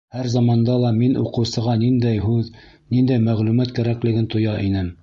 Һәр заманда ла мин уҡыусыға ниндәй һүҙ, ниндәй мәғлүмәт кәрәклеген тоя инем.